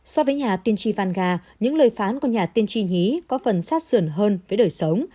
so với nhà tiên tri vanga những lời phán của nhà tiên tri nhí có phần sát sườn hơn với đời sống